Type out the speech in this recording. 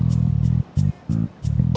gak usah bawa tenaga pada posisi stop